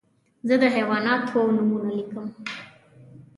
زه د حیواناتو نومونه لیکم.